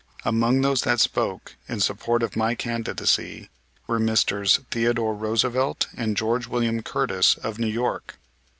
Among those that spoke in support of my candidacy were Messrs. Theodore Roosevelt, and Geo. William Curtis, of New York.